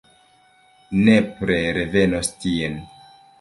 Nepre revenos tien!